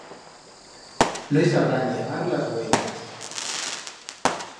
No i sabrán llegar las uellas.